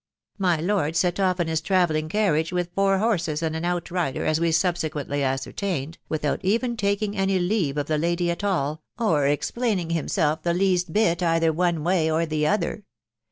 My lord set off in his travelling carriage, with four horses and an out rider, as we subsequently ascertained, without even taking any leave of the lady at all, or explaining himself the least bit either one way or the other.